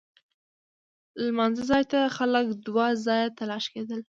لمانځه ځای ته خلک دوه ځایه تلاښي کېدل.